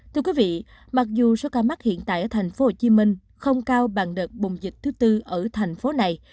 thưa quý vị mặc dù số ca mắc hiện tại ở tp hcm không cao bằng đợt bùng dịch thứ tư ở thành phố này